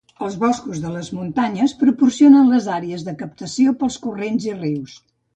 Els boscos de les muntanyes proporcionen les àrees de captació pels corrents i rius.